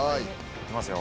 いきますよ。